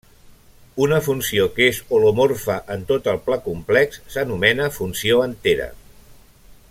Una funció que és holomorfa en tot el pla complex s'anomena funció entera.